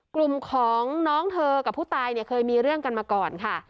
กลุ่มของน้องเธอกับผู้ตายเนี่ยเคยมีเรื่องกันมาก่อนค่ะ